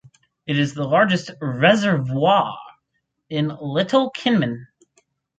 It is the largest reservoir in Little Kinmen.